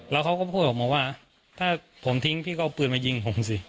แล้วเขาก็พูดออกมาว่าถ้าผมทิ้งพี่ก็เอาปืนมายิงผมสิ